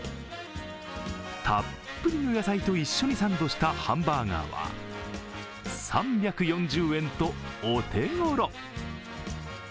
たっぷりの野菜と一緒にサンドしたハンバーガーは３４０円とお手ごろ。